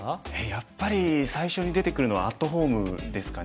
やっぱり最初に出てくるのはアットホームですかね。